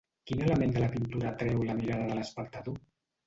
Quin element de la pintura atreu la mirada de l'espectador?